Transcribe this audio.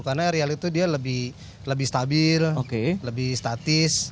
karena aerial itu dia lebih stabil lebih statis